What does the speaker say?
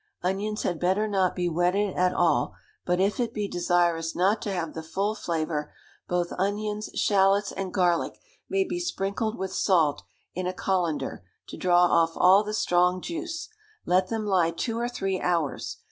Onions had better not be wetted at all; but if it be desirous not to have the full flavour, both onions, shalots, and garlic may be sprinkled with salt in a cullender, to draw off all the strong juice; let them lie two or three hours.